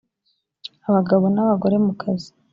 abagabo n’abagore mu kazi